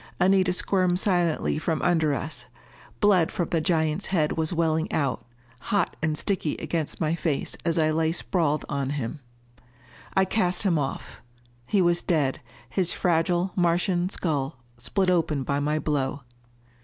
Anita squirmed silently from under us. Blood from the giant's head was welling out, hot and sticky against my face as I lay sprawled on him. I cast him off. He was dead, his fragile Martian skull split open by my blow.